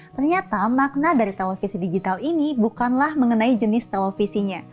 ternyata makna dari televisi digital ini bukanlah mengenai jenis televisinya